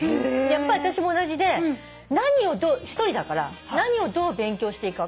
やっぱり私も同じで何をどう１人だから何をどう勉強していいか分からないし。